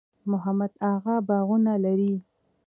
محمد اغه باغونه لري؟